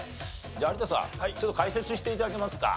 じゃあ有田さんちょっと解説して頂けますか？